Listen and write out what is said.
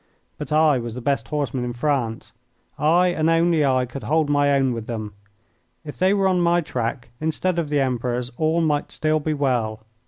But I was the best horseman in France. I, and only I, could hold my own with them. If they were on my track instead of the Emperor's, all might still be well.